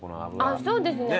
ああそうですね。